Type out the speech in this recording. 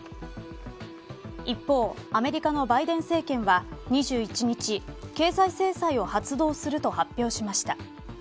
一方、アメリカのバイデン政権は２１日経済制裁を発動すると発表しました。